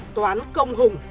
toán công hùng